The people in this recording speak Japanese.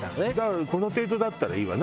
この程度だったらいいわ。